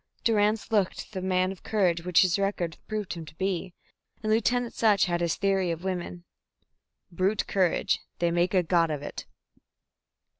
Durrance looked the man of courage which his record proved him to be, and Lieutenant Sutch had his theory of women. "Brute courage they make a god of it."